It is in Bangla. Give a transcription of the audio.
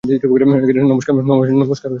নমস্কার, রাধে ভাইয়া!